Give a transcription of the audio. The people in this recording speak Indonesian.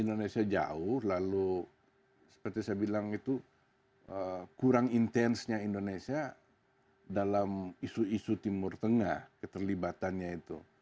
indonesia jauh lalu seperti saya bilang itu kurang intensnya indonesia dalam isu isu timur tengah keterlibatannya itu